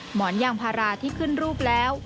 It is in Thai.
หมอนยางพาราที่ขึ้นรูปแล้ว